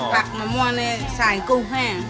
ผัดมะม่วงในสายกุ้งแห้ง